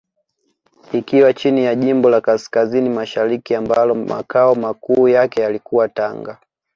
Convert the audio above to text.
Ikiwa chini ya jimbo la Kaskazini Mashariki ambalo Makao Makuu yake yalikuwa Tanga